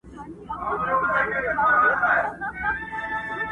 همېشه به يې دوه درې فصله کرلې!!